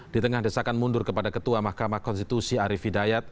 di tengah desakan mundur kepada ketua mahkamah konstitusi arief hidayat